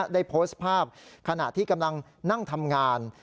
ได้โพสต์ภาพขณะที่กำลังนั่งทำงาน